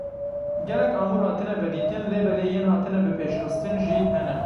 Gelek amûr hatine vedîtin lêbelê yên hatine bipêşxistin jî hene.